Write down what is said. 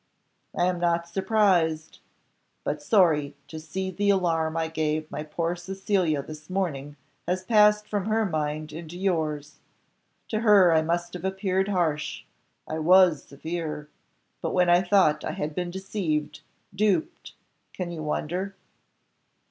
"I am not surprised, but sorry to see that the alarm I gave my poor Cecilia this morning has passed from her mind into yours. To her I must have appeared harsh: I was severe; but when I thought I had been deceived, duped, can you wonder?"